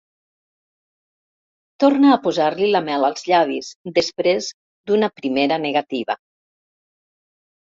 Torna a posar-li la mel als llavis, després d'una primera negativa.